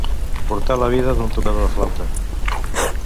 Portar la vida d'un tocador de flauta.